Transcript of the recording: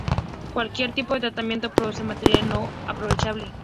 Cualquier tipo de tratamiento produce material no aprovechable.